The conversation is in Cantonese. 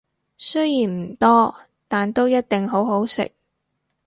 雖然唔多，但都一定好好食